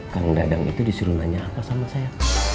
kang dadang itu disuruh nanya apa sama saya